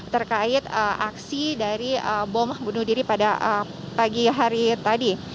terkait aksi dari bom bunuh diri pada pagi hari tadi